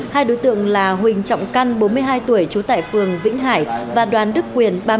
hai đối tượng là huỳnh trọng căn bốn mươi hai tuổi trú tại phường vĩnh hải và đoàn đức quyền